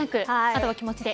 あとは気持ちで。